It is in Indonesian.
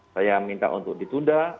saya minta untuk ditunda